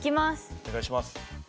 お願いします。